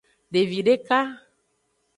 Devi deka.